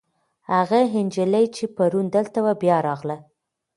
هغه نجلۍ چې پرون دلته وه، بیا راغله.